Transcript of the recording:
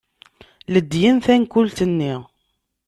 Ledyen tankult-nni.